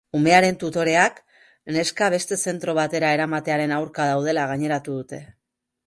Umearen tutoreak neska beste zentro batera eramatearen aurka daudela gaineratu dute.